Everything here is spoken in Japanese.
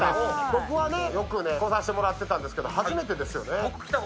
僕はよく来させてもらったんですけど初めてですよね？